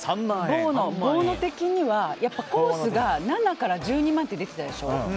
ボーノ的には、やっぱりコースが７から１２万って出てたでしょ。